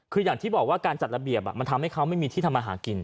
คืออย่างที่บอกว่าการจัดระเบียบมันทำให้เขาไม่มีที่ทำมาหากิน